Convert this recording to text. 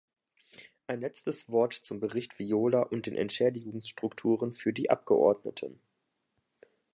Ein letztes Wort zum Bericht Viola und den Entschädigungsstrukturen für die Abgeordneten.